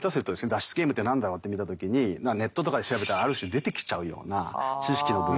脱出ゲームって何だろうって見た時にネットとかで調べたらある種出てきちゃうような知識の分野。